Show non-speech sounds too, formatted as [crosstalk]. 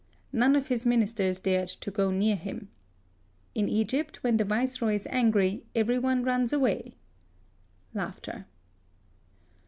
None of his ministers dared go near him. In Egjrpt when the Viceroy is angry every one runs away. [laughs]